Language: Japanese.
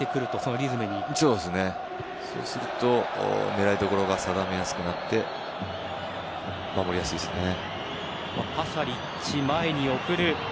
そうすると狙いどころが定めやすくなって守りやすいですね。